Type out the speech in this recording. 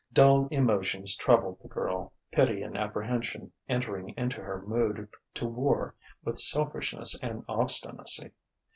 Dull emotions troubled the girl, pity and apprehension entering into her mood to war with selfishness and obstinacy.